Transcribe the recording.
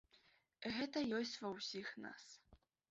І гэта ёсць ва ўсіх нас.